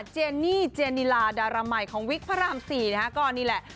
เจนี่เจนิลาดาราใหม่ของวิกพระราม๔นะฮะก็นี่แหละ